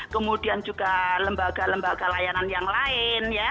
kemudian juga lembaga lembaga layanan yang lain ya